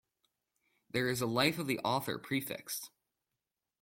There is a life of the author prefixed.